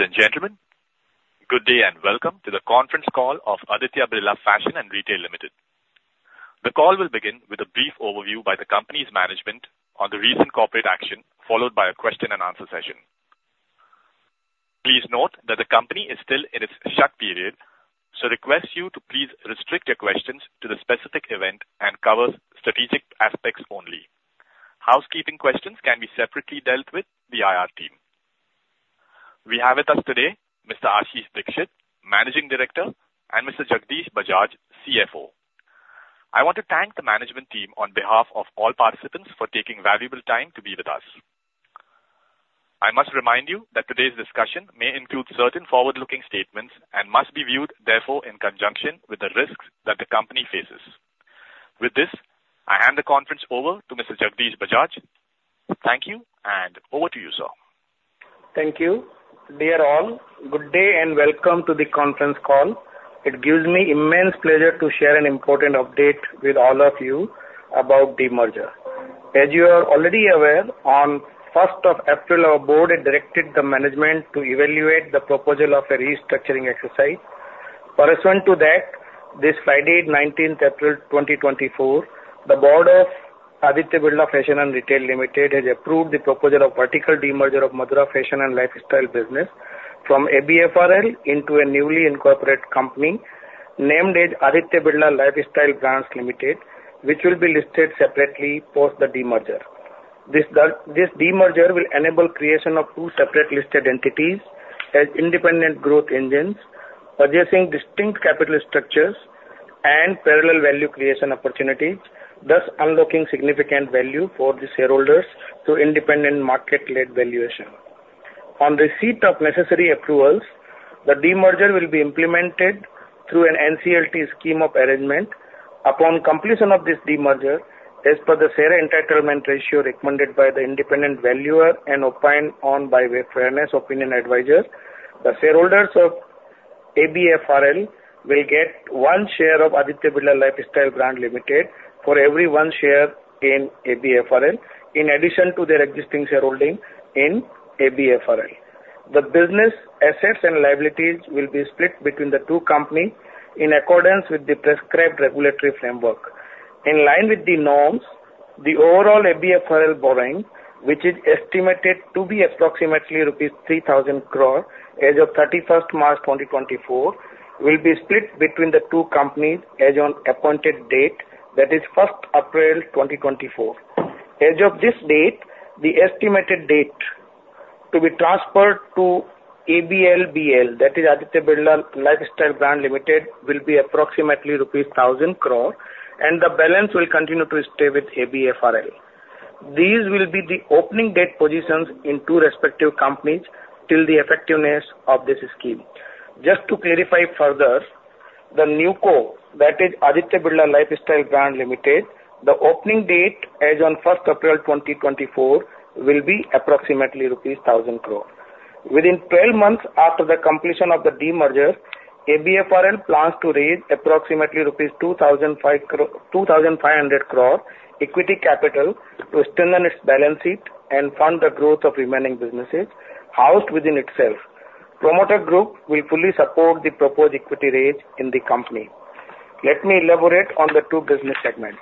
Ladies and gentlemen, good day and welcome to the conference call of Aditya Birla Fashion and Retail Limited. The call will begin with a brief overview by the company's management on the recent corporate action, followed by a question-and-answer session. Please note that the company is still in its shut period, so request you to please restrict your questions to the specific event and cover strategic aspects only. Housekeeping questions can be separately dealt with by the IR team. We have with us today Mr. Ashish Dikshit, Managing Director, and Mr. Jagdish Bajaj, CFO. I want to thank the management team on behalf of all participants for taking valuable time to be with us. I must remind you that today's discussion may include certain forward-looking statements and must be viewed, therefore, in conjunction with the risks that the company faces. With this, I hand the conference over to Mr. Jagdish Bajaj Thank you, and over to you, sir. Thank you, dear all. Good day and welcome to the conference call. It gives me immense pleasure to share an important update with all of you about the merger. As you are already aware, on 1st of April, our board directed the management to evaluate the proposal of a restructuring exercise. Corresponding to that, this Friday, 19th April 2024, the board of Aditya Birla Fashion and Retail Limited has approved the proposal of vertical demerger of Madura Fashion and Lifestyle Business from ABFRL into a newly incorporated company named as Aditya Birla Lifestyle Brands Limited, which will be listed separately post the demerger. This demerger will enable creation of two separate listed entities as independent growth engines, purchasing distinct capital structures and parallel value creation opportunities, thus unlocking significant value for the shareholders through independent market-led valuation. On receipt of necessary approvals, the demerger will be implemented through an NCLT scheme of arrangement. Upon completion of this demerger, as per the share entitlement ratio recommended by the independent valuer and opined on by fairness opinion advisor, the shareholders of ABFRL will get one share of Aditya Birla Lifestyle Brands Limited for every one share in ABFRL, in addition to their existing shareholding in ABFRL. The business assets and liabilities will be split between the two companies in accordance with the prescribed regulatory framework. In line with the norms, the overall ABFRL borrowing, which is estimated to be approximately rupees 3,000 crore as of 31st March 2024, will be split between the two companies as on the appointed date, that is 1st April 2024. As of this date, the estimated date to be transferred to ABLBL, that is Aditya Birla Lifestyle Brands Limited, will be approximately rupees 1,000 crore, and the balance will continue to stay with ABFRL. These will be the opening date positions in two respective companies till the effectiveness of this scheme. Just to clarify further, the new corp, that is Aditya Birla Lifestyle Brands Limited, the opening date as on 1st April 2024 will be approximately rupees 1,000 crore. Within 12 months after the completion of the demerger, ABFRL plans to raise approximately rupees 2,500 crore equity capital to strengthen its balance sheet and fund the growth of remaining businesses housed within itself. Promoter Group will fully support the proposed equity raise in the company. Let me elaborate on the two business segments.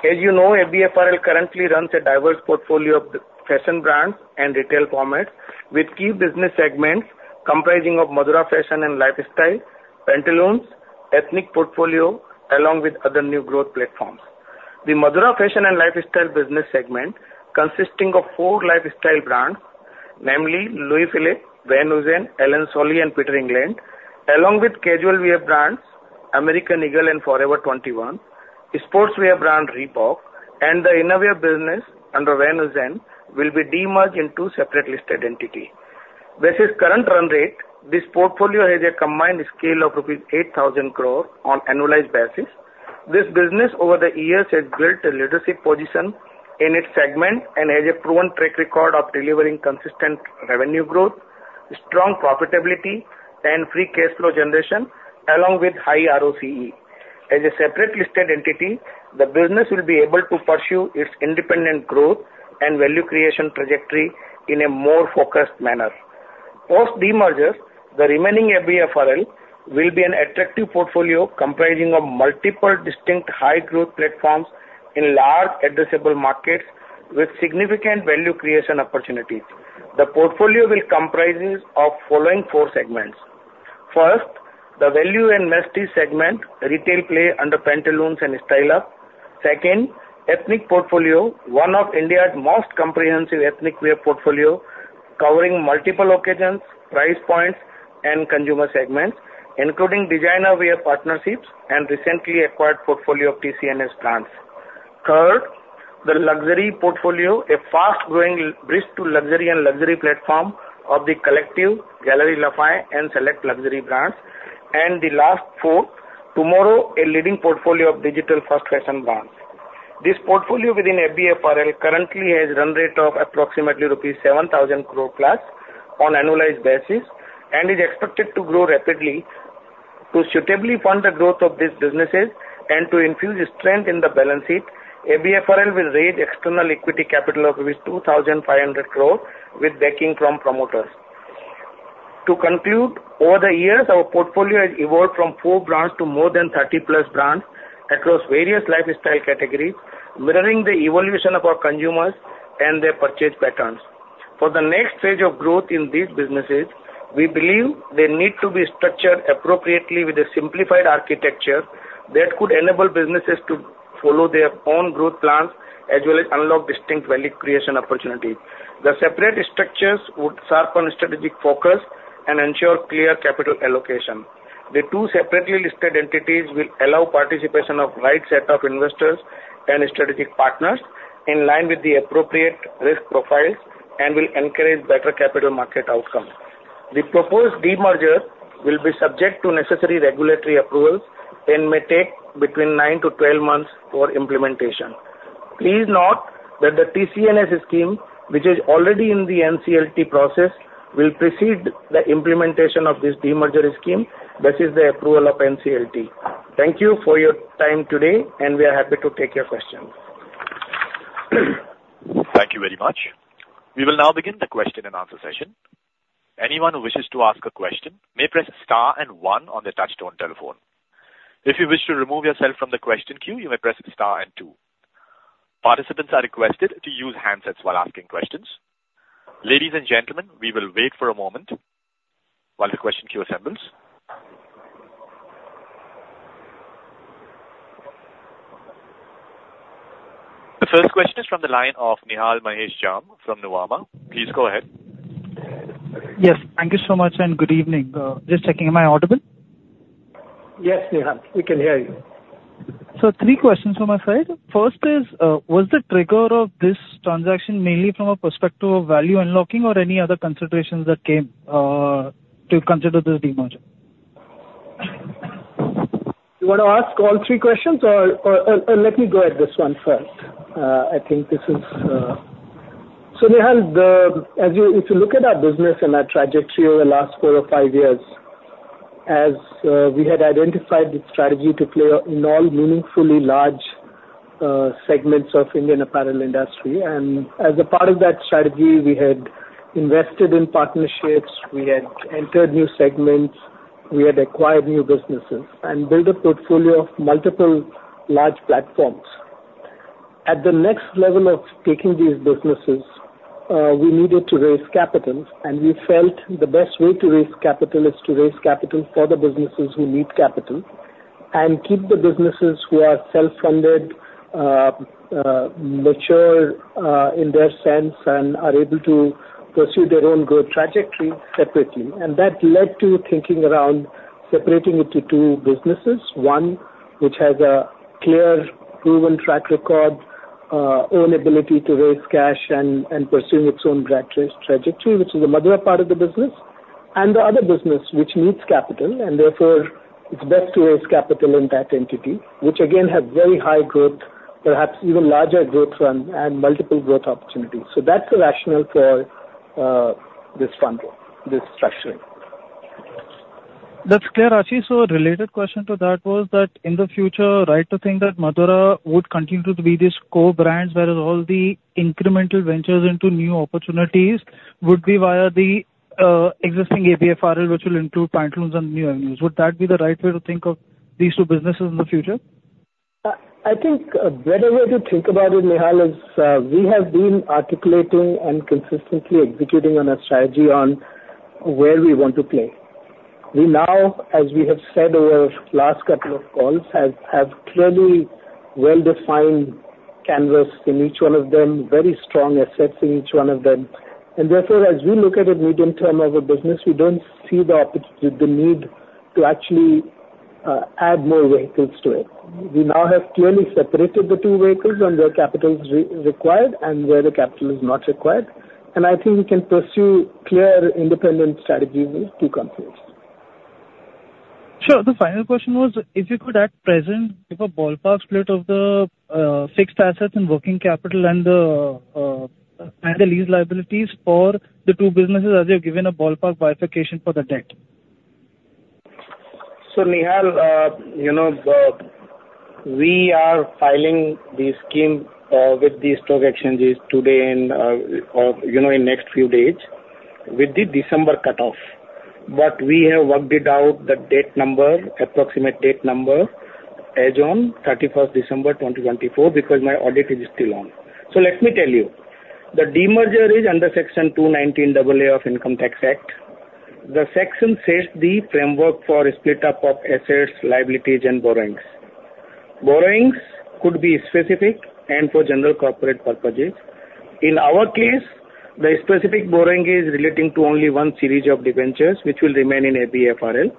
As you know, ABFRL currently runs a diverse portfolio of fashion brands and retail formats with key business segments comprising of Madura Fashion and Lifestyle, Pantaloons, Ethnic portfolio, along with other new growth platforms. The Madura Fashion and Lifestyle business segment consists of four lifestyle brands, namely Louis Philippe, Van Heusen, Allen Solly, and Peter England, along with casual wear brands American Eagle and Forever 21, sports wear brand Reebok, and the innerwear business under Van Heusen will be demerged into a separate listed entity. Versus current run rate, this portfolio has a combined scale of rupees 8,000 crore on annualized basis. This business, over the years, has built a leadership position in its segment and has a proven track record of delivering consistent revenue growth, strong profitability, and free cash flow generation, along with high ROCE. As a separate listed entity, the business will be able to pursue its independent growth and value creation trajectory in a more focused manner. Post demerger, the remaining ABFRL will be an attractive portfolio comprising of multiple distinct high-growth platforms in large addressable markets with significant value creation opportunities. The portfolio will comprise of the following four segments. First, the value and masstige segment, retail play under Pantaloons and Style Up. Second, Ethnic portfolio, one of India's most comprehensive ethnic wear portfolios, covering multiple occasions, price points, and consumer segments, including designer wear partnerships and recently acquired portfolio of TCNS brands. Third, the luxury portfolio, a fast-growing bridge to luxury and luxury platform of The Collective, Galeries Lafayette, and Select Luxury Brands. And the last four, TMRW, a leading portfolio of digital fast fashion brands. This portfolio within ABFRL currently has a run rate of approximately rupees 7,000 crore plus on annualized basis and is expected to grow rapidly to suitably fund the growth of these businesses and to infuse strength in the balance sheet. ABFRL will raise external equity capital of 2,500 crore with backing from promoters. To conclude, over the years, our portfolio has evolved from four brands to more than 30+ brands across various lifestyle categories, mirroring the evolution of our consumers and their purchase patterns. For the next stage of growth in these businesses, we believe they need to be structured appropriately with a simplified architecture that could enable businesses to follow their own growth plans as well as unlock distinct value creation opportunities. The separate structures would sharpen strategic focus and ensure clear capital allocation. The two separately listed entities will allow participation of the right set of investors and strategic partners in line with the appropriate risk profiles and will encourage better capital market outcomes. The proposed demerger will be subject to necessary regulatory approvals and may take between nine to 12 months for implementation. Please note that the TCNS scheme, which is already in the NCLT process, will precede the implementation of this demerger scheme versus the approval of NCLT. Thank you for your time today, and we are happy to take your questions. Thank you very much. We will now begin the question-and-answer session. Anyone who wishes to ask a question may press star and one on the touch-tone telephone. If you wish to remove yourself from the question queue, you may press star and two. Participants are requested to use handsets while asking questions. Ladies and gentlemen, we will wait for a moment while the question queue assembles. The first question is from the line of Nihal Mahesh Jham from Nuvama. Please go ahead. Yes. Thank you so much, and good evening. Just checking, am I audible? Yes, Nihal. We can hear you. Three questions on my side. First is, was the trigger of this transaction mainly from a perspective of value unlocking or any other considerations that came to consider this demerger? You want to ask all three questions, or let me go at this one first. I think this is for Nihal. If you look at our business and our trajectory over the last four or five years, as we had identified the strategy to play in all meaningfully large segments of Indian apparel industry, and as a part of that strategy, we had invested in partnerships, we had entered new segments, we had acquired new businesses, and built a portfolio of multiple large platforms. At the next level of taking these businesses, we needed to raise capital, and we felt the best way to raise capital is to raise capital for the businesses who need capital and keep the businesses who are self-funded, mature in their sense, and are able to pursue their own growth trajectory separately. That led to thinking around separating it into two businesses: one, which has a clear proven track record, own ability to raise cash and pursue its own trajectory, which is the Madura part of the business. The other business, which needs capital, and therefore it's best to raise capital in that entity, which again has very high growth, perhaps even larger growth run, and multiple growth opportunities. That's the rationale for this funding, this structuring. That's clear. Ashish, so a related question to that was that in the future, right to think that Madura would continue to be these co-brands whereas all the incremental ventures into new opportunities would be via the existing ABFRL, which will include Pantaloons and new avenues. Would that be the right way to think of these two businesses in the future? I think a better way to think about it, Nihal, is we have been articulating and consistently executing on a strategy on where we want to play. We now, as we have said over the last couple of calls, have clearly well-defined canvas in each one of them, very strong assets in each one of them. Therefore, as we look at it medium-term over business, we don't see the need to actually add more vehicles to it. We now have clearly separated the two vehicles on where capital is required and where the capital is not required. I think we can pursue clear independent strategies with these two companies. Sure. The final question was, if you could at present give a ballpark split of the fixed assets and working capital and the lease liabilities for the two businesses as you've given a ballpark bifurcation for the debt. So Nihal, we are filing the scheme with the stock exchanges today or in the next few days with the December cutoff. But we have worked it out, the approximate date number, as on 31st December 2024 because my audit is still on. So let me tell you, the demerger is under Section 2(19AA) of the Income Tax Act. The section sets the framework for split-up of assets, liabilities, and borrowings. Borrowings could be specific and for general corporate purposes. In our case, the specific borrowing is relating to only one series of debentures, which will remain in ABFRL.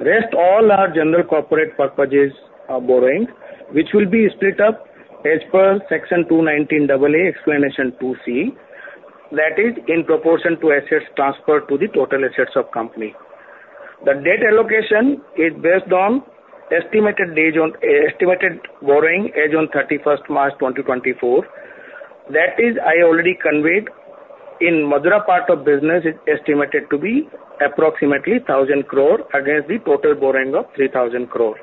Rest, all are general corporate purposes borrowings, which will be split up as per Section 2(19AA) Explanation 2C, that is, in proportion to assets transferred to the total assets of the company. The debt allocation is based on estimated borrowing as on 31st March 2024. That is, I already conveyed in the Madura part of business, it's estimated to be approximately 1,000 crore against the total borrowing of 3,000 crore.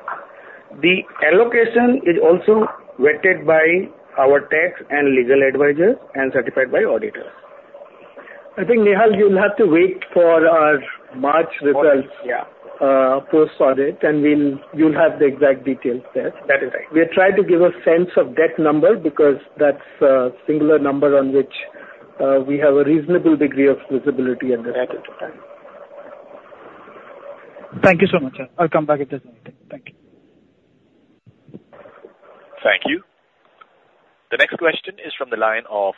The allocation is also weighted by our tax and legal advisors and certified by auditors. I think, Nihal, you'll have to wait for our March results post-audit, and you'll have the exact details there. That is right. We'll try to give a sense of the debt number because that's a singular number on which we have a reasonable degree of visibility at this time. Thank you so much, sir. I'll come back if there's anything. Thank you. Thank you. The next question is from the line of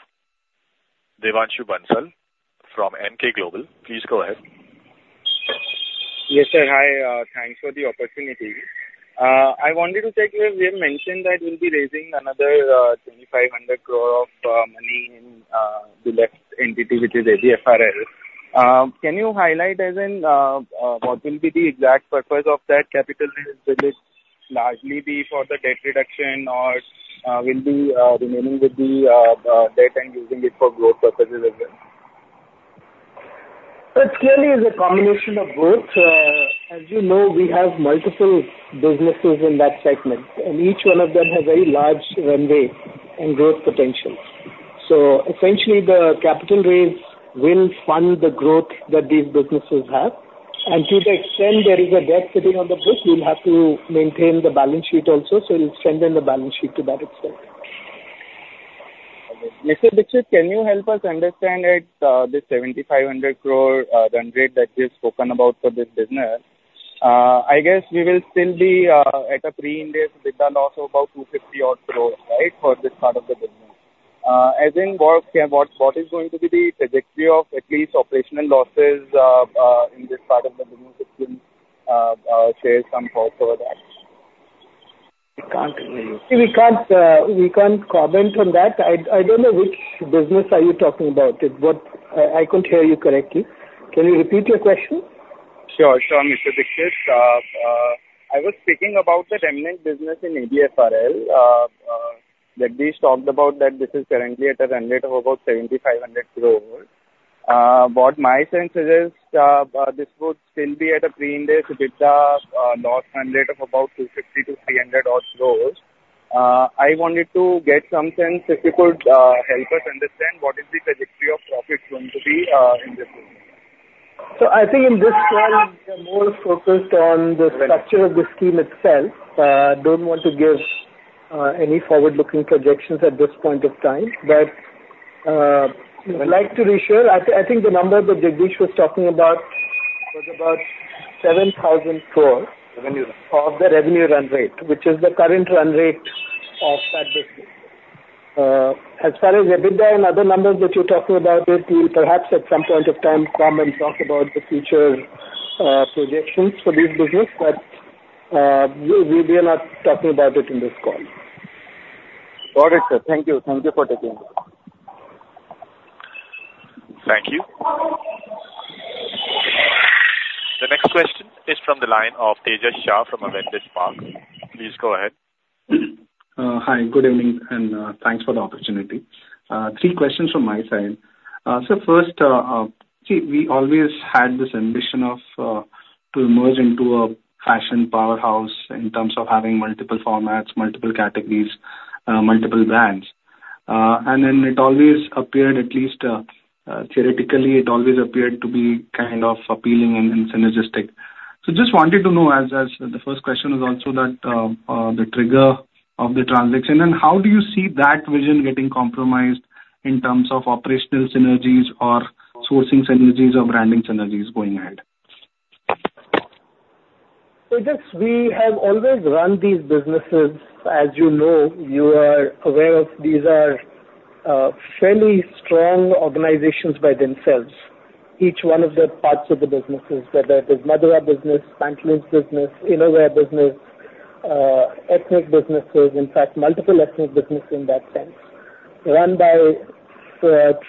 Devanshu Bansal from Emkay Global. Please go ahead. Yes, sir. Hi. Thanks for the opportunity. I wanted to check if you mentioned that you'll be raising another 2,500 crore of money in the left entity, which is ABFRL. Can you highlight, as in, what will be the exact purpose of that capital? Will it largely be for the debt reduction, or will we remain with the debt and using it for growth purposes as well? It clearly is a combination of both. As you know, we have multiple businesses in that segment, and each one of them has a very large runway and growth potential. Essentially, the capital raise will fund the growth that these businesses have. To the extent there is a debt sitting on the book, we'll have to maintain the balance sheet also. We'll extend then the balance sheet to that extent. Mr. Dikshit, can you help us understand this 7,500 crore run rate that we have spoken about for this business? I guess we will still be at a Pre-Ind AS with a loss of about 250 odd crore, right, for this part of the business. As in, what is going to be the trajectory of at least operational losses in this part of the business if you can share some thoughts over that? We can't comment on that. I don't know which business are you talking about. I couldn't hear you correctly. Can you repeat your question? Sure, sure, Mr. Dikshit. I was speaking about the remnant business in ABFRL that we talked about that this is currently at a run rate of about 7,500 crore. What my sense is, this would still be at a Pre-Ind AS with a loss run rate of about INR 250 odd crore-INR 300 odd crore. I wanted to get some sense if you could help us understand what is the trajectory of profits going to be in this business. I think in this call, we are more focused on the structure of the scheme itself. I don't want to give any forward-looking projections at this point of time. But I'd like to reassure, I think the number that Jagdish was talking about was about 7,000 crore of the revenue run rate, which is the current run rate of that business. As far as EBITDA and other numbers that you're talking about, we'll perhaps at some point of time come and talk about the future projections for this business, but we are not talking about it in this call. Got it, sir. Thank you. Thank you for taking the time. Thank you. The next question is from the line of Tejas Shah from Avendus Spark. Please go ahead. Hi. Good evening, and thanks for the opportunity. Three questions from my side. So first, see, we always had this ambition to emerge into a fashion powerhouse in terms of having multiple formats, multiple categories, multiple brands. And then it always appeared, at least theoretically, it always appeared to be kind of appealing and synergistic. So just wanted to know, as the first question was also that the trigger of the transaction, and how do you see that vision getting compromised in terms of operational synergies or sourcing synergies or branding synergies going ahead? So yes, we have always run these businesses. As you know, you are aware of, these are fairly strong organizations by themselves, each one of the parts of the businesses, whether it is Madura business, Pantaloons business, innerwear business, ethnic businesses, in fact, multiple ethnic businesses in that sense, run by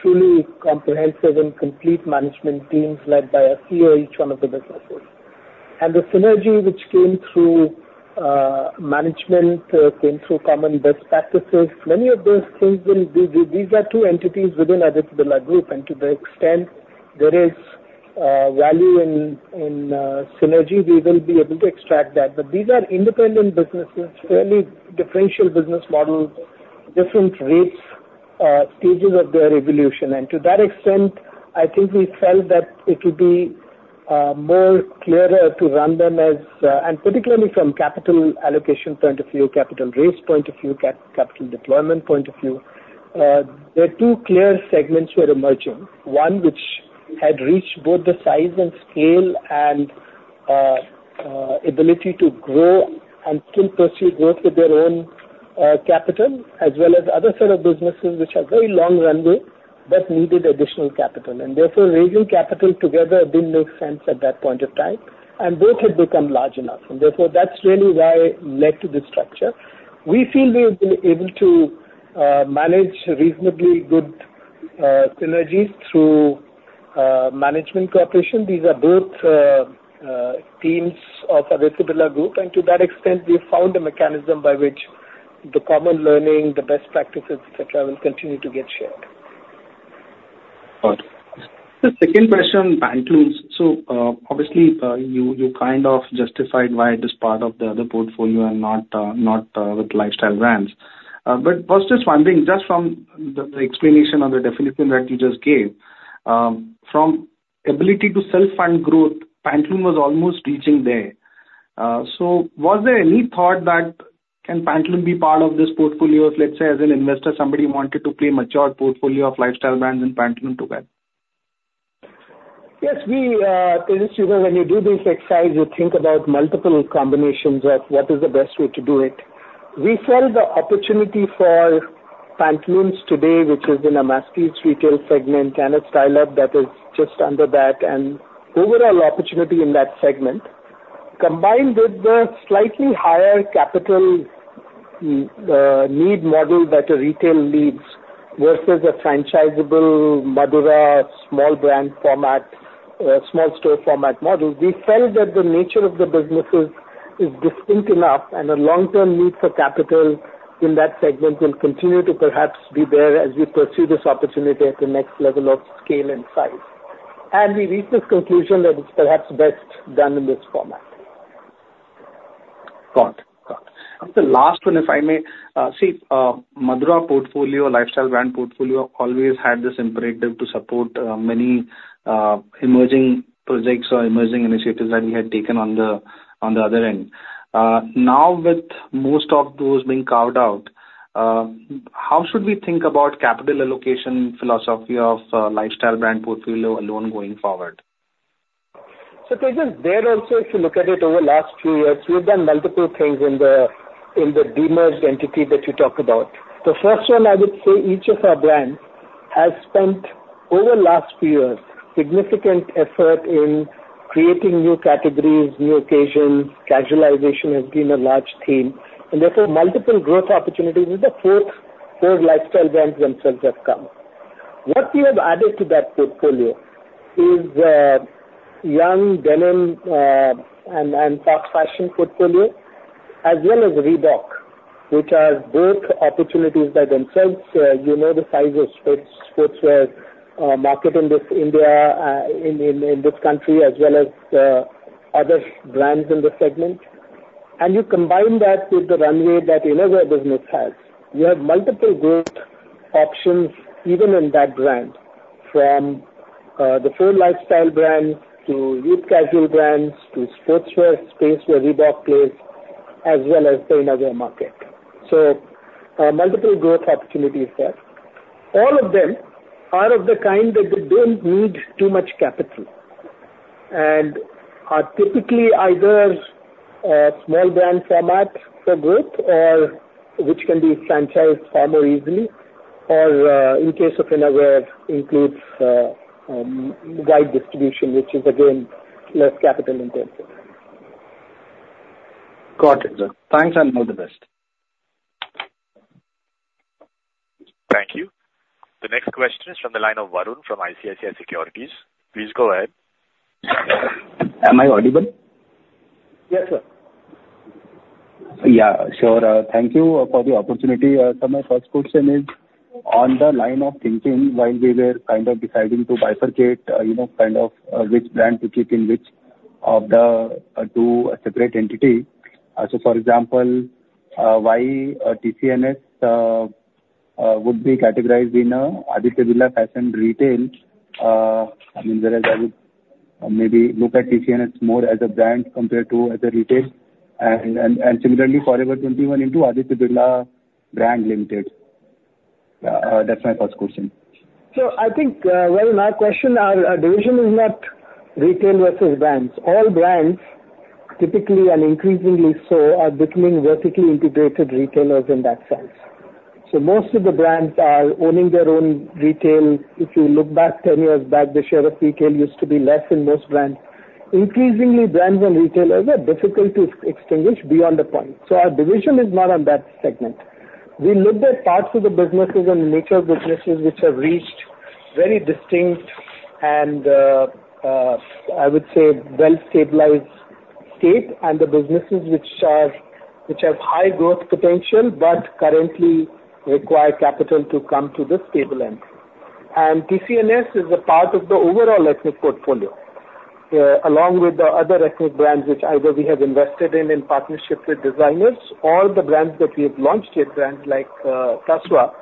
truly comprehensive and complete management teams led by a CEO of each one of the businesses. And the synergy which came through management, came through common best practices. Many of those things, these are two entities within Aditya Birla Group, and to the extent there is value in synergy, we will be able to extract that. But these are independent businesses, fairly differential business models, different rates, stages of their evolution. And to that extent, I think we felt that it would be more clearer to run them as, and particularly from capital allocation point of view, capital raise point of view, capital deployment point of view, there are two clear segments that are emerging. One which had reached both the size and scale and ability to grow and still pursue growth with their own capital, as well as other sort of businesses which have very long runway but needed additional capital. And therefore, raising capital together didn't make sense at that point of time, and both had become large enough. And therefore, that's really why it led to this structure. We feel we have been able to manage reasonably good synergies through management cooperation. These are both teams of Aditya Birla Group, and to that extent, we've found a mechanism by which the common learning, the best practices, etc., will continue to get shared. Got it. The second question, Pantaloons, so obviously, you kind of justified why this part of the portfolio and not with lifestyle brands. But I was just wondering, just from the explanation or the definition that you just gave, from ability to self-fund growth, Pantaloons was almost reaching there. So was there any thought that can Pantaloons be part of this portfolio of, let's say, as an investor, somebody wanted to play a mature portfolio of lifestyle brands and Pantaloons together? Yes. As you know, when you do these exercises, you think about multiple combinations of what is the best way to do it. We felt the opportunity for Pantaloons today, which is in a masstige retail segment, and a Style Up that is just under that, and overall opportunity in that segment combined with the slightly higher capital need model that a retail has versus a franchisable Madura small brand format, small store format model. We felt that the nature of the businesses is distinct enough, and a long-term need for capital in that segment will continue to perhaps be there as we pursue this opportunity at the next level of scale and size. We reached this conclusion that it's perhaps best done in this format. Got it. Got it. The last one, if I may. See, Madura portfolio, lifestyle brand portfolio, always had this imperative to support many emerging projects or emerging initiatives that we had taken on the other end. Now, with most of those being carved out, how should we think about capital allocation philosophy of lifestyle brand portfolio alone going forward? So there also, if you look at it over the last few years, we've done multiple things in the demerged entity that you talked about. The first one, I would say each of our brands has spent over the last few years significant effort in creating new categories, new occasions. Casualization has been a large theme. And therefore, multiple growth opportunities with the four lifestyle brands themselves have come. What we have added to that portfolio is the young denim and top fashion portfolio, as well as Reebok, which are both opportunities by themselves. You know the size of sportswear market in this country, as well as other brands in the segment. You combine that with the runway that innerwear business has, you have multiple growth options even in that brand, from the full lifestyle brands to youth casual brands to sportswear space where Reebok plays, as well as the innerwear market. Multiple growth opportunities there. All of them are of the kind that they don't need too much capital and are typically either small brand format for growth, which can be franchised far more easily, or in case of innerwear, includes wide distribution, which is, again, less capital intensive. Got it, sir. Thanks, and all the best. Thank you. The next question is from the line of Varun from ICICI Securities. Please go ahead. Am I audible? Yes, sir. Yeah, sure. Thank you for the opportunity. So my first question is, on the line of thinking while we were kind of deciding to bifurcate, kind of which brand to keep in which of the two separate entities. So, for example, why TCNS would be categorized in Aditya Birla Fashion and Retail? I mean, whereas I would maybe look at TCNS more as a brand compared to as a retail. And similarly, Forever 21 into Aditya Birla Lifestyle Brands Limited. That's my first question. So I think, Varun, my question, our division is not retail versus brands. All brands, typically and increasingly so, are becoming vertically integrated retailers in that sense. So most of the brands are owning their own retail. If you look back 10 years back, the share of retail used to be less in most brands. Increasingly, brands and retailers are difficult to extinguish beyond the point. So our division is not on that segment. We looked at parts of the businesses and the nature of businesses which have reached very distinct and, I would say, well-stabilized state and the businesses which have high growth potential but currently require capital to come to this table end. And TCNS is a part of the overall ethnic portfolio, along with the other ethnic brands which either we have invested in in partnership with designers or the brands that we have launched here, brands like Tasva,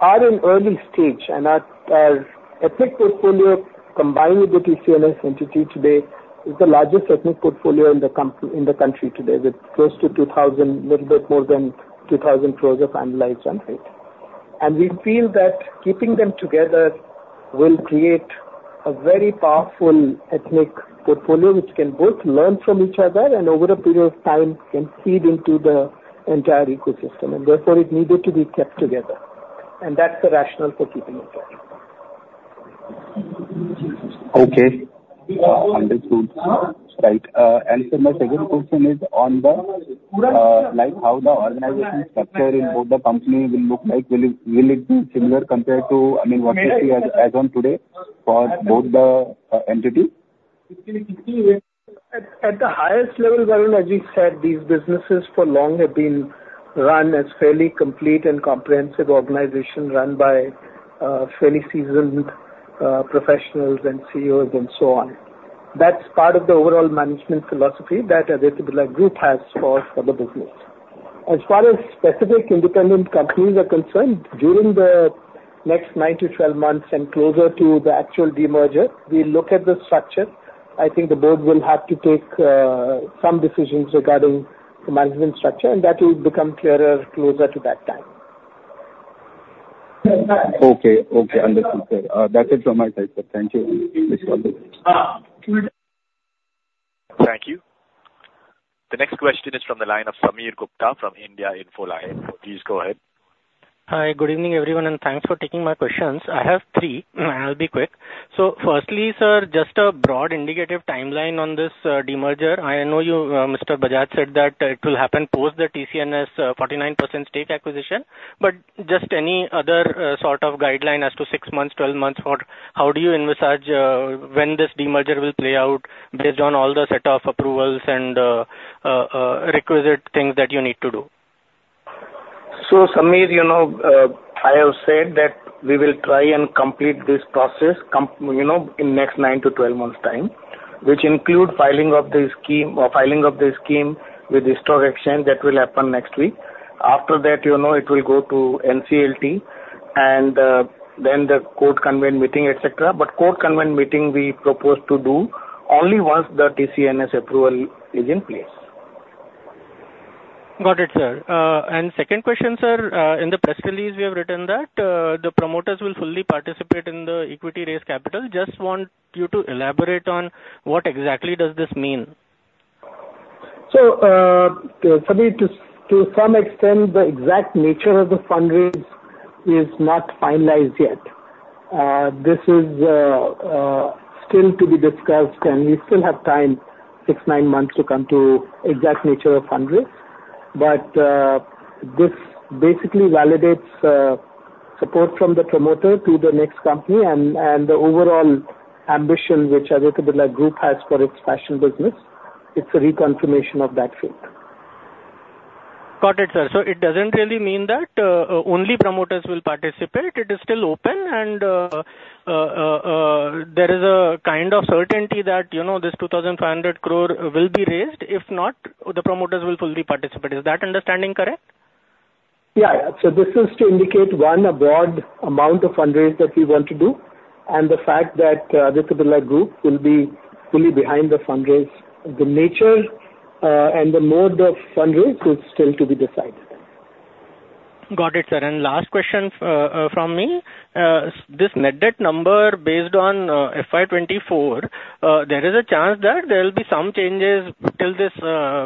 are in early stage. And our ethnic portfolio combined with the TCNS entity today is the largest ethnic portfolio in the country today, with close to 2,000 crore, a little bit more than 2,000 crore of annualized run rate. We feel that keeping them together will create a very powerful ethnic portfolio which can both learn from each other and, over a period of time, can feed into the entire ecosystem. Therefore, it needed to be kept together. That's the rationale for keeping it together. Okay. Understood. Right. And so my second question is, on the like how the organization structure in both the company will look like? Will it be similar compared to, I mean, what we see as on today for both the entities? At the highest level, Varun, as you said, these businesses for long have been run as fairly complete and comprehensive organizations run by fairly seasoned professionals and CEOs and so on. That's part of the overall management philosophy that Aditya Birla Group has for the business. As far as specific independent companies are concerned, during the next nine to 12 months and closer to the actual demerger, we'll look at the structure. I think the board will have to take some decisions regarding the management structure, and that will become clearer closer to that time. Okay. Okay. Understood, sir. That's it from my side, sir. Thank you. Thank you. The next question is from the line of Sameer Gupta from India Infoline. Please go ahead. Hi. Good evening, everyone, and thanks for taking my questions. I have three, and I'll be quick. So firstly, sir, just a broad indicative timeline on this demerger. I know you, Mr. Bajaj, said that it will happen post the TCNS 49% stake acquisition. But just any other sort of guideline as to six months, 12 months, for how do you envisage when this demerger will play out based on all the set of approvals and requisite things that you need to do? Sameer, I have said that we will try and complete this process in the next nine to 12 months' time, which include filing of the scheme with the stock exchange that will happen next week. After that, it will go to NCLT, and then the court-convened meeting, etc. Court-convened meeting, we propose to do only once the TCNS approval is in place. Got it, sir. Second question, sir, in the press release, we have written that the promoters will fully participate in the equity raise capital. Just want you to elaborate on what exactly does this mean. So, Sameer, to some extent, the exact nature of the fundraise is not finalized yet. This is still to be discussed, and we still have time, 6, 9 months, to come to the exact nature of fundraise. But this basically validates support from the promoter to the next company and the overall ambition which Aditya Birla Group has for its fashion business. It's a reconfirmation of that field. Got it, sir. So it doesn't really mean that only promoters will participate. It is still open, and there is a kind of certainty that this 2,500 crore will be raised. If not, the promoters will fully participate. Is that understanding correct? Yeah. So this is to indicate, one, a broad amount of fundraise that we want to do and the fact that Aditya Birla Group will be fully behind the fundraise. The nature and the mode of fundraise is still to be decided. Got it, sir. Last question from me. This net debt number based on FY 2024, there is a chance that there will be some changes till this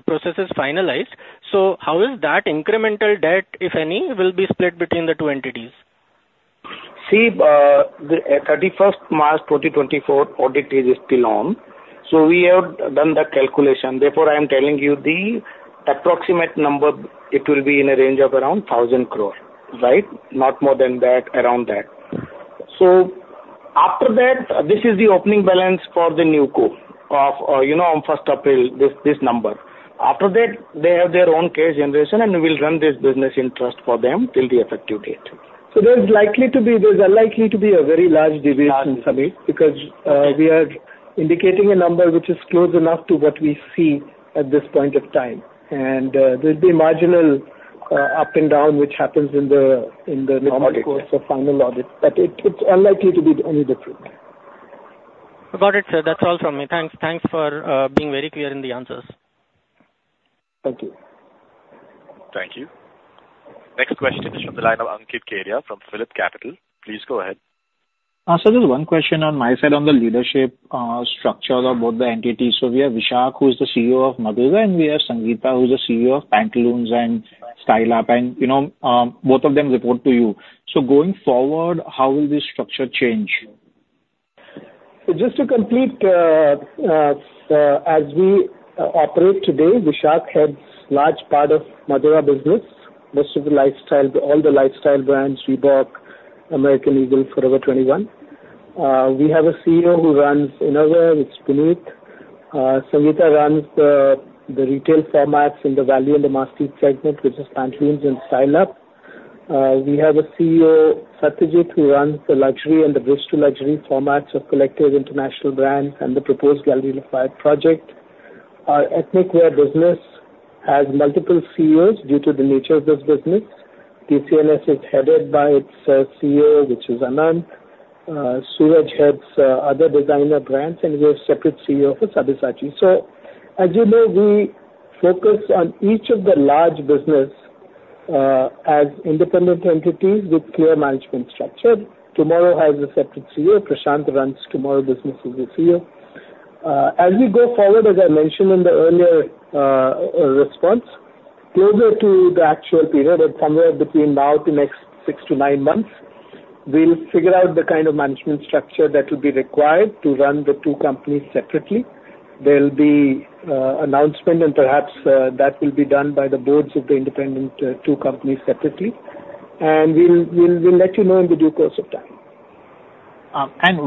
process is finalized. How is that incremental debt, if any, will be split between the two entities? See, the 31st March 2024 audit is still on. So we have done the calculation. Therefore, I am telling you the approximate number, it will be in a range of around 1,000 crore, right? Not more than that, around that. So after that, this is the opening balance for the new corp on 1st April, this number. After that, they have their own cash generation, and we will run this business interest for them till the effective date. So there's unlikely to be a very large division, Sameer, because we are indicating a number which is close enough to what we see at this point of time. And there'll be marginal up and down which happens in the normal course of final audit, but it's unlikely to be any different. Got it, sir. That's all from me. Thanks for being very clear in the answers. Thank you. Thank you. Next question is from the line of Ankit Kedia from PhillipCapital. Please go ahead. There's one question on my side on the leadership structure of both the entities. We have Vishak, who is the CEO of Madura, and we have Sangeeta, who is the CEO of Pantaloons and Style Up. Both of them report to you. Going forward, how will this structure change? So just to complete, as we operate today, Vishak heads a large part of Madura business, most of the lifestyle brands, Reebok, American Eagle, Forever 21. We have a CEO who runs Innerwear, which is Puneet. Sangeeta runs the retail formats in the value and the masstige segment, which is Pantaloons and Style Up. We have a CEO, Sathyajit, who runs the luxury and the masstige-to-luxury formats of The Collective, international brands, and the proposed Galeries Lafayette project. Our ethnic wear business has multiple CEOs due to the nature of this business. TCNS is headed by its CEO, which is Anant. Sooraj heads other designer brands, and we have a separate CEO for Sabyasachi. So as you know, we focus on each of the large businesses as independent entities with clear management structure. TMRW has a separate CEO. Prashanth runs TMRW business as the CEO. As we go forward, as I mentioned in the earlier response, closer to the actual period, somewhere between now to next six to nine months, we'll figure out the kind of management structure that will be required to run the two companies separately. There'll be an announcement, and perhaps that will be done by the boards of the independent two companies separately. We'll let you know in the due course of time.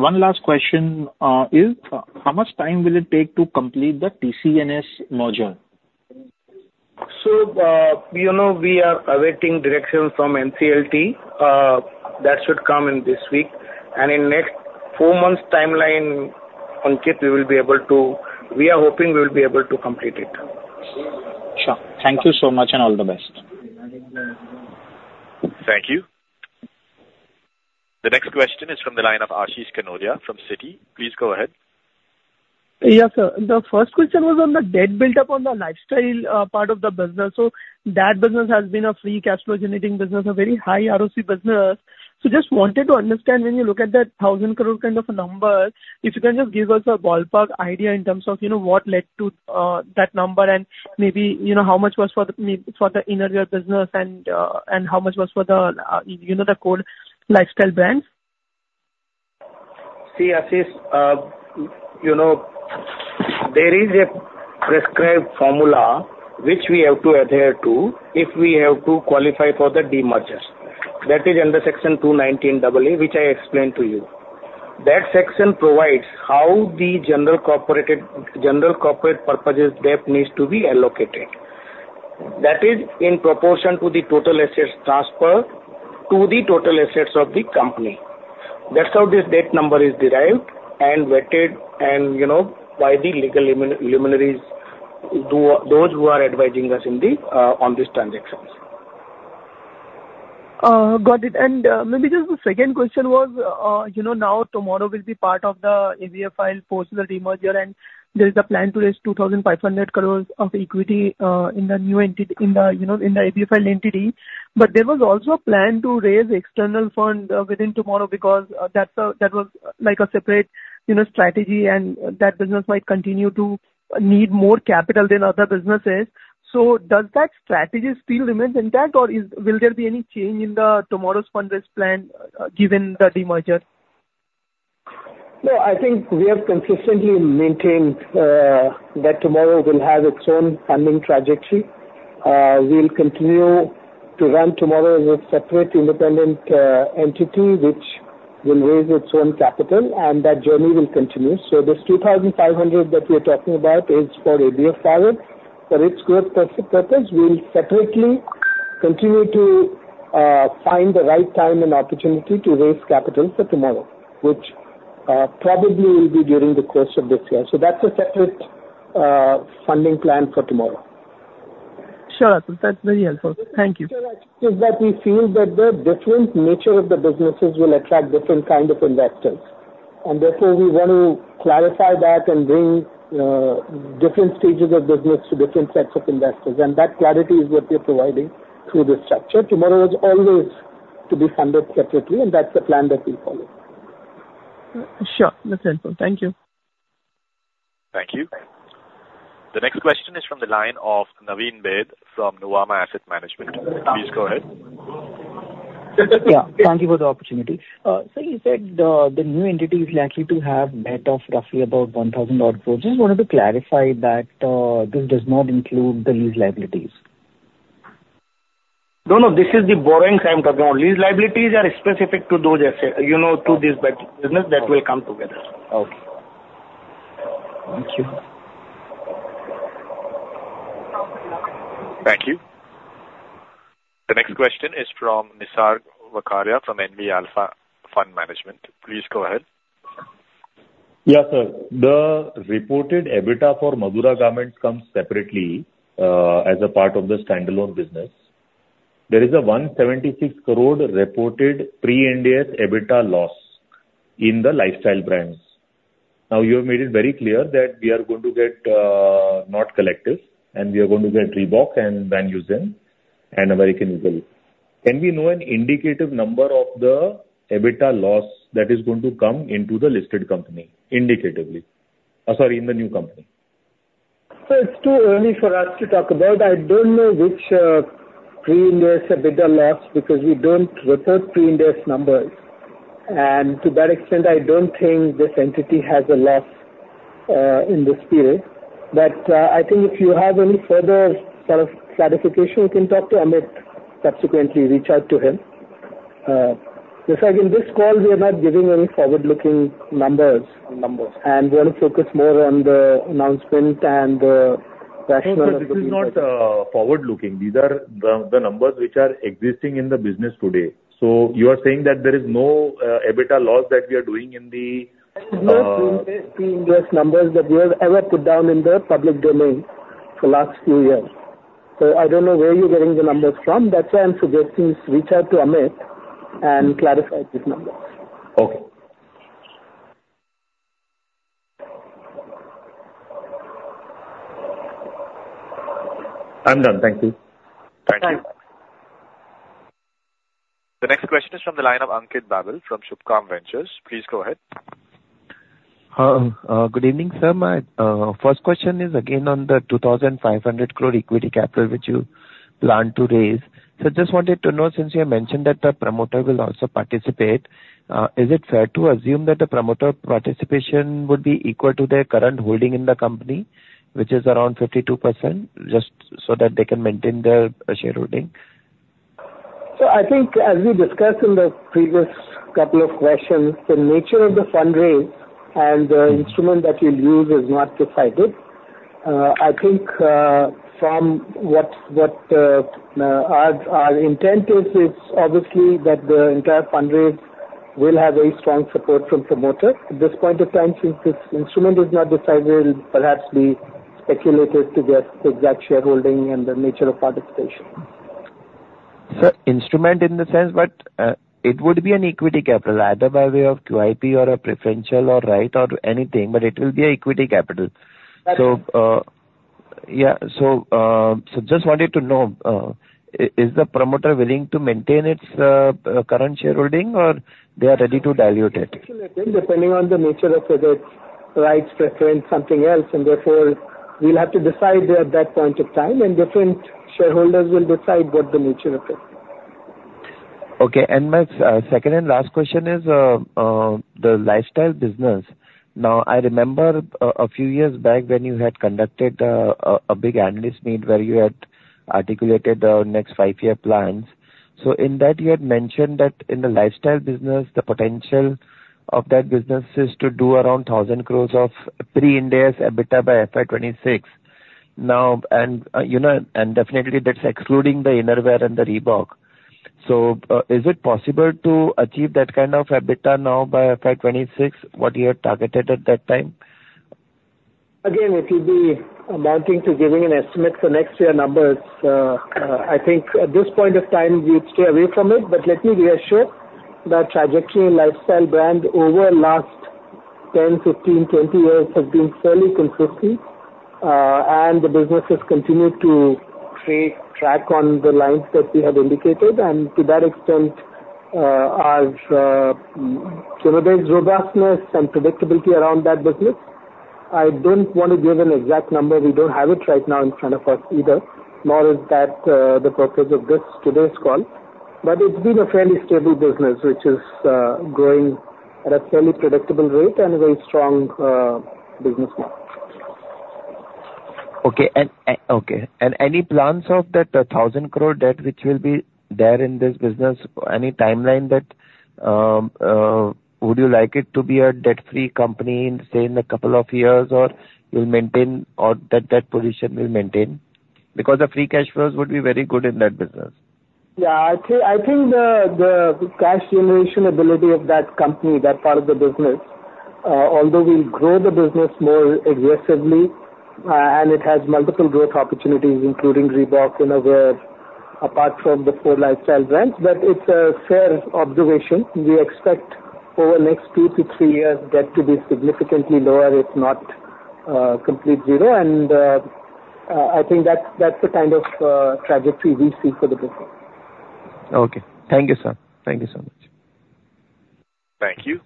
One last question is, how much time will it take to complete the TCNS merger? We are awaiting direction from NCLT. That should come in this week. In the next four months' timeline, Ankit, we are hoping we will be able to complete it. Sure. Thank you so much, and all the best. Thank you. The next question is from the line of Ashish Kanodia from Citi. Please go ahead. Yes, sir. The first question was on the debt built up on the lifestyle part of the business. So that business has been a free cash flow generating business, a very high ROC business. So just wanted to understand when you look at that 1,000 crore kind of a number, if you can just give us a ballpark idea in terms of what led to that number and maybe how much was for the Innerwear business and how much was for the core lifestyle brands. See, Ashish, there is a prescribed formula which we have to adhere to if we have to qualify for the demerger. That is under Section 2(19AA), which I explained to you. That section provides how the general corporate purposes debt needs to be allocated. That is in proportion to the total assets transferred to the total assets of the company. That's how this debt number is derived and weighted by the legal luminaries, those who are advising us on these transactions. Got it. Maybe just the second question was, now, TMRW will be part of the ABFRL post the demerger, and there is a plan to raise 2,500 crore of equity in the new entity in the ABFRL entity. There was also a plan to raise external fund within TMRW because that was a separate strategy, and that business might continue to need more capital than other businesses. Does that strategy still remain intact, or will there be any change in TMRW's fundraise plan given the demerger? No, I think we have consistently maintained that TMRW will have its own funding trajectory. We'll continue to run TMRW as a separate independent entity, which will raise its own capital, and that journey will continue. So this 2,500 crore that we are talking about is for ABFRL. For its growth purpose, we'll separately continue to find the right time and opportunity to raise capital for TMRW, which probably will be during the course of this year. So that's a separate funding plan for TMRW. Sure. That's very helpful. Thank you. Sure. It's just that we feel that the different nature of the businesses will attract different kinds of investors. And therefore, we want to clarify that and bring different stages of business to different sets of investors. And that clarity is what we are providing through this structure. TMRW is always to be funded separately, and that's the plan that we follow. Sure. That's helpful. Thank you. Thank you. The next question is from the line of Naveen Baid from Nuvama Asset Management. Please go ahead. Yeah. Thank you for the opportunity. Sameer said the new entity is likely to have debt of roughly about 1,000 crore. Just wanted to clarify that this does not include the lease liabilities. No, no. This is the borrowings I'm talking about. Lease liabilities are specific to those assets, to this business that will come together. Okay. Thank you. Thank you. The next question is from Nisarg Vakharia from NV Alpha Fund Management. Please go ahead. Yes, sir. The reported EBITDA for Madura Fashion and Lifestyle comes separately as a part of the standalone business. There is an 176 crore reported Pre-Ind AS EBITDA loss in the lifestyle brands. Now, you have made it very clear that we are going to get The Collective, and we are going to get Reebok and Van Heusen and American Eagle. Can we know an indicative number of the EBITDA loss that is going to come into the listed company indicatively? Sorry, in the new company. It's too early for us to talk about. I don't know which Pre-Ind AS EBITDA loss, because we don't report Pre-Ind AS numbers. And to that extent, I don't think this entity has a loss in this period. But I think if you have any further sort of clarification, we can talk to Amit subsequently; reach out to him. This call, we are not giving any forward-looking numbers and want to focus more on the announcement and the rationale. No, no. This is not forward-looking. These are the numbers which are existing in the business today. So you are saying that there is no EBITDA loss that we are doing in the. It's not Pre-Ind AS numbers that we have ever put down in the public domain for the last few years. So I don't know where you're getting the numbers from. That's why I'm suggesting we reach out to Amit and clarify these numbers. Okay. I'm done. Thank you. Thank you. The next question is from the line of Ankit Babel from Subhkam Ventures. Please go ahead. Good evening, sir. First question is again on the 2,500 crore equity capital which you plan to raise. So I just wanted to know, since you have mentioned that the promoter will also participate, is it fair to assume that the promoter participation would be equal to their current holding in the company, which is around 52%, just so that they can maintain their shareholding? I think, as we discussed in the previous couple of questions, the nature of the fundraise and the instrument that you'll use is not decided. I think from what our intent is, it's obviously that the entire fundraise will have very strong support from promoters. At this point of time, since this instrument is not decided, it'll perhaps be speculated to get the exact shareholding and the nature of participation. So, instrument in the sense, but it would be an equity capital, either by way of QIP or a preferential or right or anything, but it will be equity capital. So yeah. So just wanted to know, is the promoter willing to maintain its current shareholding, or they are ready to dilute it? Depending on the nature of it, it's rights, preference, something else. And therefore, we'll have to decide at that point of time, and different shareholders will decide what the nature of it is. Okay. My second and last question is the lifestyle business. Now, I remember a few years back when you had conducted a big analyst meet where you had articulated the next five-year plans. In that, you had mentioned that in the lifestyle business, the potential of that business is to do around 1,000 crore of Pre-Ind AS EBITDA by FY26. And definitely, that's excluding the innerwear and the Reebok. Is it possible to achieve that kind of EBITDA now by FY 2026, what you had targeted at that time? Again, if you'd be amounting to giving an estimate for next year numbers, I think at this point of time, we'd stay away from it. But let me reassure that trajectory in lifestyle brands over the last 10, 15, 20 years has been fairly consistent, and the business has continued to track on the lines that we have indicated. And to that extent, our synergized, robustness, and predictability around that business, I don't want to give an exact number. We don't have it right now in front of us either, nor is that the purpose of today's call. But it's been a fairly stable business, which is growing at a fairly predictable rate and a very strong business model. Okay. And any plans of that 1,000 crore debt which will be there in this business? Any timeline that would you like it to be a debt-free company, say, in a couple of years, or you'll maintain that debt position will maintain? Because the free cash flows would be very good in that business. Yeah. I think the cash generation ability of that company, that part of the business, although we'll grow the business more aggressively, and it has multiple growth opportunities, including Reebok, innerwear, apart from the four lifestyle brands, but it's a fair observation. We expect over the next two to three years, debt to be significantly lower, if not complete zero. And I think that's the kind of trajectory we see for the business. Okay. Thank you, sir. Thank you so much. Thank you.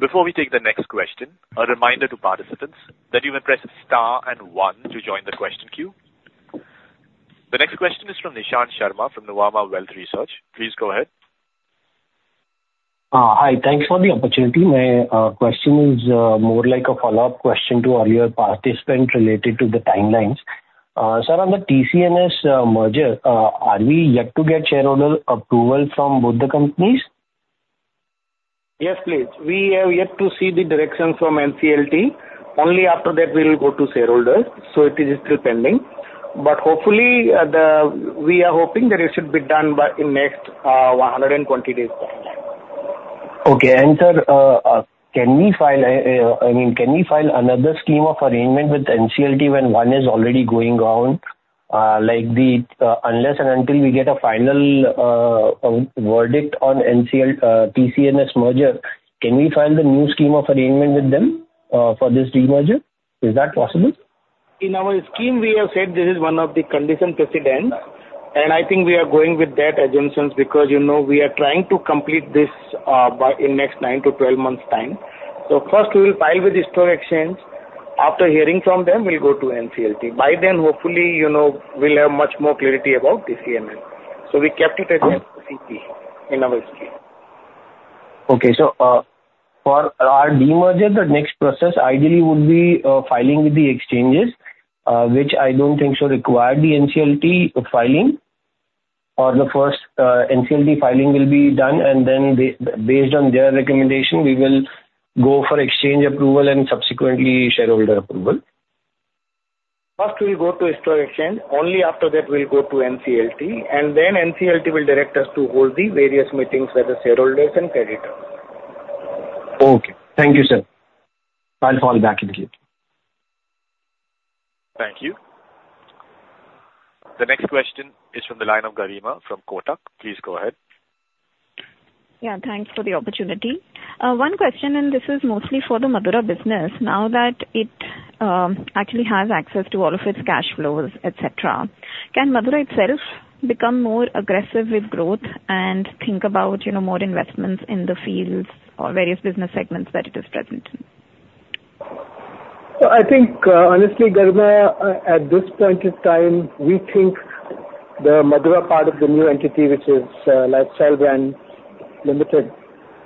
Before we take the next question, a reminder to participants that you may press star and one to join the question queue. The next question is from Nishant Sharma from Nuvama Wealth Research. Please go ahead. Hi. Thanks for the opportunity. My question is more like a follow-up question to earlier participants related to the timelines. Sir, on the TCNS merger, are we yet to get shareholder approval from both the companies? Yes, please. We have yet to see the directions from NCLT. Only after that, we will go to shareholders. So it is still pending. But hopefully, we are hoping that it should be done in the next 120 days' timeline. Okay. And sir, can we file—I mean, can we file—another scheme of arrangement with NCLT when one is already going on? Unless and until we get a final verdict on TCNS merger, can we file the new scheme of arrangement with them for this demerger? Is that possible? In our scheme, we have said this is one of the conditions precedent. I think we are going with that assumption because we are trying to complete this in the next nine to 12 months' time. First, we will file with the stock exchange. After hearing from them, we'll go to NCLT. By then, hopefully, we'll have much more clarity about TCNS. We kept it as an CP in our scheme. Okay. So for our demerger, the next process ideally would be filing with the exchanges, which I don't think so require the NCLT filing, or the first NCLT filing will be done, and then based on their recommendation, we will go for exchange approval and subsequently shareholder approval. First, we'll go to stock exchange. Only after that, we'll go to NCLT. And then NCLT will direct us to hold the various meetings with the shareholders and creditors. Okay. Thank you, sir. I'll fall back into it. Thank you. The next question is from the line of Garima from Kotak. Please go ahead. Yeah. Thanks for the opportunity. One question, and this is mostly for the Madura business. Now that it actually has access to all of its cash flows, etc., can Madura itself become more aggressive with growth and think about more investments in the fields or various business segments that it is present in? So I think, honestly, Garima, at this point of time, we think the Madura part of the new entity, which is Lifestyle Brands Limited,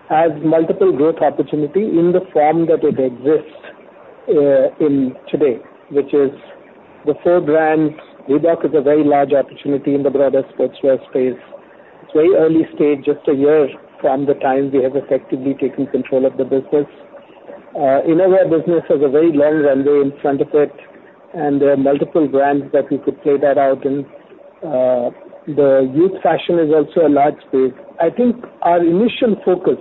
has multiple growth opportunities in the form that it exists today, which is the four brands. Reebok is a very large opportunity in the broader sportswear space. It's very early stage, just a year from the time we have effectively taken control of the business. Innerwear business has a very long runway in front of it, and there are multiple brands that we could play that out in. The youth fashion is also a large space. I think our initial focus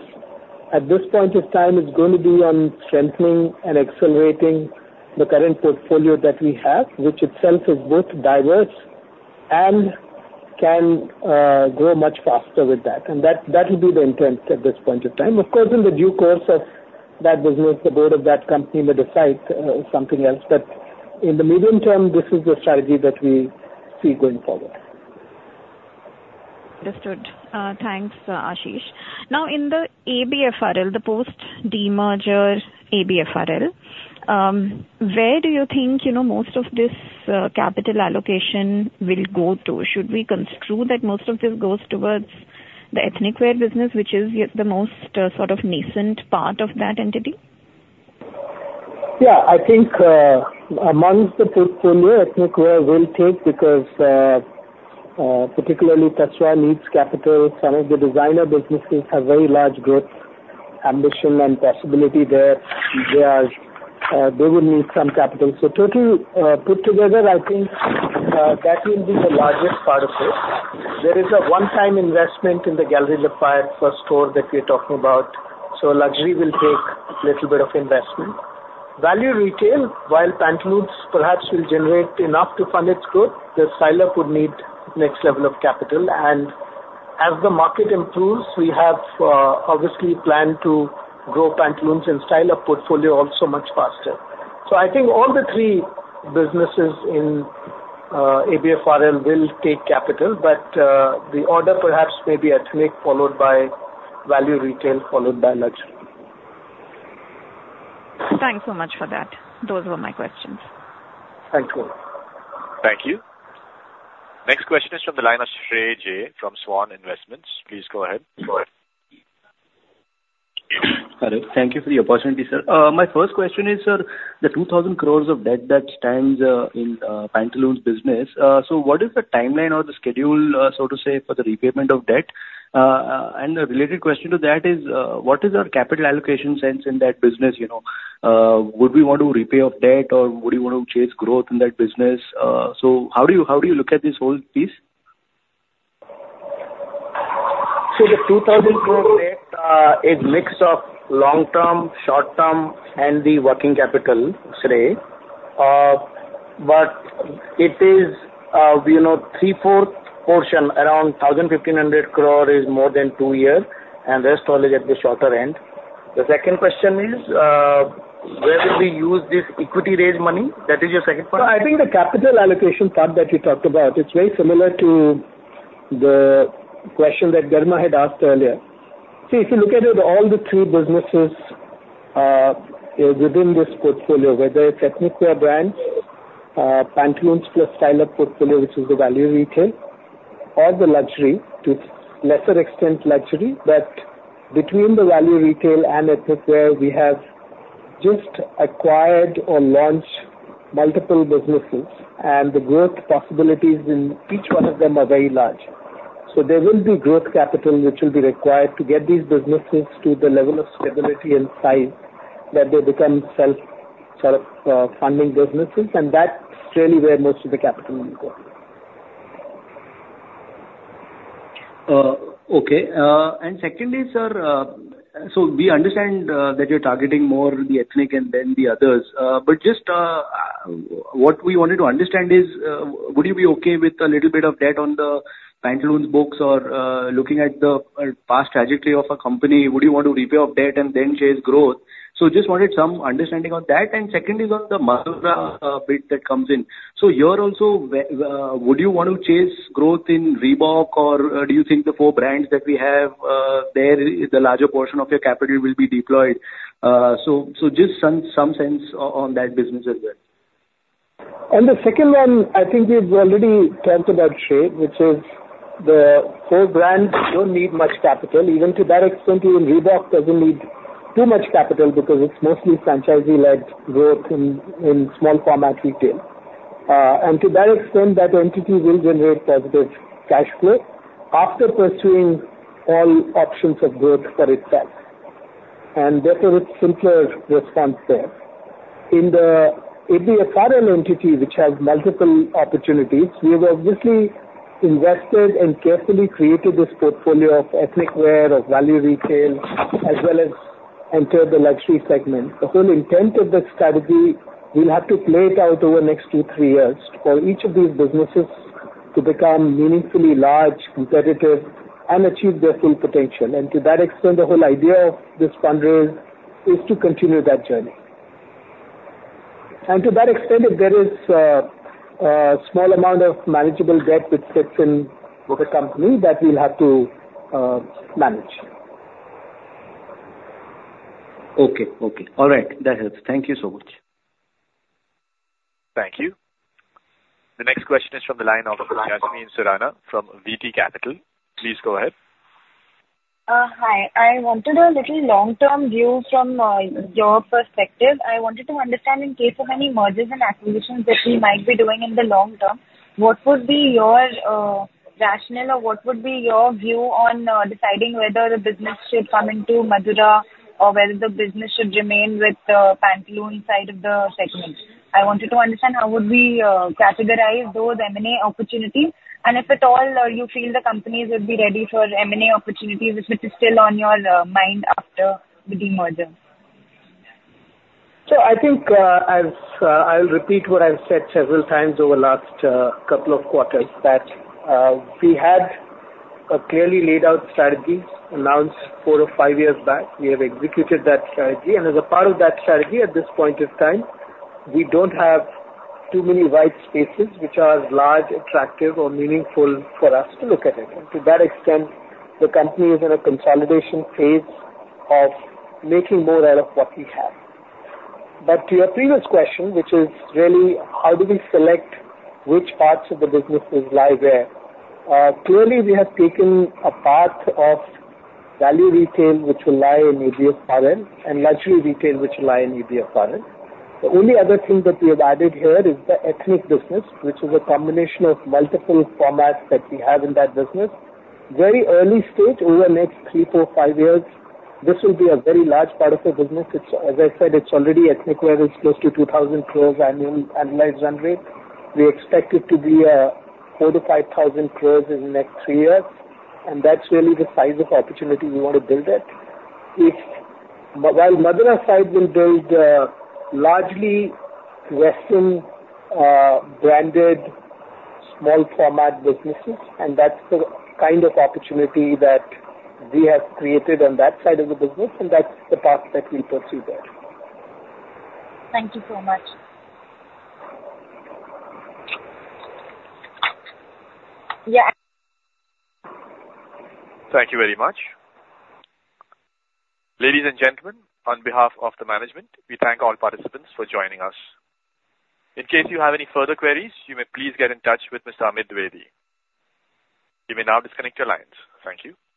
at this point of time is going to be on strengthening and accelerating the current portfolio that we have, which itself is both diverse and can grow much faster with that. And that will be the intent at this point of time. Of course, in the due course of that business, the board of that company may decide something else. But in the medium term, this is the strategy that we see going forward. Understood. Thanks, Ashish. Now, in the ABFRL, the post-demerger ABFRL, where do you think most of this capital allocation will go to? Should we construe that most of this goes towards the ethnic wear business, which is the most sort of nascent part of that entity? Yeah. I think among the portfolio, ethnic wear will take because particularly, TASVA needs capital. Some of the designer businesses have very large growth ambition and possibility there. They would need some capital. So total put together, I think that will be the largest part of it. There is a one-time investment in the Galeries Lafayette first store that we're talking about. So luxury will take a little bit of investment. Value retail, while Pantaloons perhaps will generate enough to fund its growth, the Style Up would need next level of capital. And as the market improves, we have obviously planned to grow Pantaloons and Style Up portfolio also much faster. So I think all the three businesses in ABFRL will take capital, but the order perhaps may be ethnic followed by value retail, followed by luxury. Thanks so much for that. Those were my questions. Thank you. Thank you. Next question is from the line of Sreejay from Swan Investments. Please go ahead. Hello. Thank you for the opportunity, sir. My first question is, sir, the 2,000 crore of debt that stands in Pantaloons business. So what is the timeline or the schedule, so to say, for the repayment of debt? And a related question to that is, what is our capital allocation sense in that business? Would we want to repay off debt, or would you want to chase growth in that business? So how do you look at this whole piece? The 2,000 crore debt is a mix of long-term, short-term, and the working capital today. But it is 3/4 portion, around 1,500 crore is more than two years, and the rest all is at the shorter end. The second question is, where will we use this equity-raised money? That is your second part. So I think the capital allocation part that you talked about, it's very similar to the question that Garima had asked earlier. See, if you look at it, all the three businesses within this portfolio, whether it's ethnic wear brands, Pantaloons plus Style Up portfolio, which is the value retail, or the luxury, to lesser extent, luxury, but between the value retail and ethnic wear, we have just acquired or launched multiple businesses, and the growth possibilities in each one of them are very large. There will be growth capital which will be required to get these businesses to the level of stability and size that they become self-sort of funding businesses. That's really where most of the capital will go. Okay. And secondly, sir, so we understand that you're targeting more the ethnic and then the others. But just what we wanted to understand is, would you be okay with a little bit of debt on the Pantaloons books or looking at the past trajectory of a company? Would you want to repay off debt and then chase growth? So just wanted some understanding on that. And second is on the Madura bit that comes in. So you're also, would you want to chase growth in Reebok, or do you think the four brands that we have there, the larger portion of your capital will be deployed? So just some sense on that business as well. And the second one, I think we've already talked about Sreejay, which is the four brands don't need much capital. Even to that extent, even Reebok doesn't need too much capital because it's mostly franchisee-led growth in small-format retail. And to that extent, that entity will generate positive cash flow after pursuing all options of growth for itself. And therefore, it's simpler response there. In the ABFRL entity, which has multiple opportunities, we have obviously invested and carefully created this portfolio of ethnic wear, of value retail, as well as entered the luxury segment. The whole intent of this strategy, we'll have to play it out over the next two, three years for each of these businesses to become meaningfully large, competitive, and achieve their full potential. And to that extent, the whole idea of this fundraise is to continue that journey. To that extent, if there is a small amount of manageable debt which sits in the company, that we'll have to manage. Okay. Okay. All right. That helps. Thank you so much. Thank you. The next question is from the line of Jasmine Surana from VT Capital. Please go ahead. Hi. I wanted a little long-term view from your perspective. I wanted to understand in case of any mergers and acquisitions that we might be doing in the long term, what would be your rationale, or what would be your view on deciding whether the business should come into Madura or whether the business should remain with the Pantaloons side of the segment? I wanted to understand how would we categorize those M&A opportunities, and if at all you feel the companies would be ready for M&A opportunities, if it is still on your mind after the demerger. I think I'll repeat what I've said several times over the last couple of quarters, that we had a clearly laid out strategy announced four or five years back. We have executed that strategy. As a part of that strategy, at this point of time, we don't have too many white spaces which are large, attractive, or meaningful for us to look at it. To that extent, the company is in a consolidation phase of making more out of what we have. But to your previous question, which is really how do we select which parts of the businesses lie where? Clearly, we have taken a path of value retail, which will lie in ABFRL, and luxury retail, which will lie in ABFRL. The only other thing that we have added here is the ethnic business, which is a combination of multiple formats that we have in that business. Very early stage, over the next three, four, five years, this will be a very large part of the business. As I said, it's already, ethnic wear is close to 2,000 crore annual annualized run rate. We expect it to be 4,000 crore-5,000 crore in the next three years. That's really the size of opportunity we want to build at. While Madura side will build largely Western-branded small-format businesses, and that's the kind of opportunity that we have created on that side of the business, and that's the path that we'll pursue there. Thank you so much. Yeah. Thank you very much. Ladies and gentlemen, on behalf of the management, we thank all participants for joining us. In case you have any further queries, you may please get in touch with Mr. Amit Dwivedi. You may now disconnect your lines. Thank you.